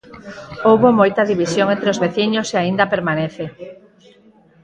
Houbo moita división entre os veciños e aínda permanece.